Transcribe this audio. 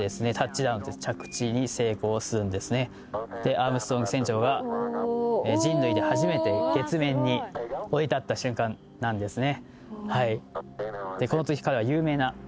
アームストロング船長が人類で初めて月面に降り立った瞬間なんですね。